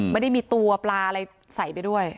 ไม่ได้มีตัวปลาอะไรใส่ไปด้วย